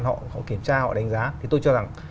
họ kiểm tra họ đánh giá thì tôi cho rằng